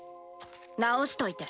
直しといて。